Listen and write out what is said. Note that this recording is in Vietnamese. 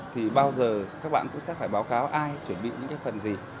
thì bao giờ các bạn cũng sẽ phải báo cáo ai chuẩn bị những cái phần gì